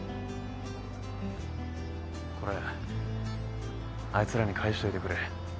これあいつらに返しといてくれ。